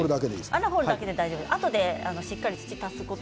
穴を掘るだけで大丈夫です。